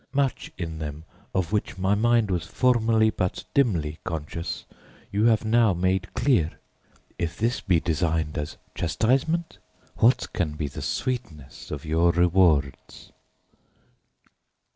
Much in them, of which my mind was formerly but dimly conscious, you have now made clear. If this be designed as chastisement, what can be the sweetness of your rewards?